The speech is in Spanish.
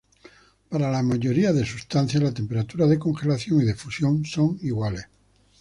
Para la mayoría de sustancias la temperatura de congelación y de fusión son iguales.